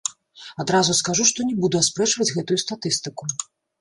Адразу скажу, што не буду аспрэчваць гэтую статыстыку.